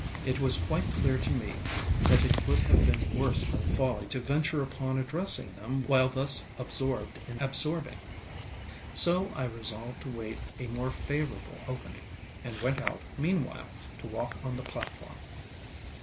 It was quite clear to me that it would have been worse than folly to venture upon addressing them while thus absorbed in absorbing. So I resolved to await a more favorable opening, and went out meanwhile to walk on the platform.